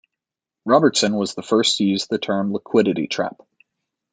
Robertson was the first to use the term "liquidity trap".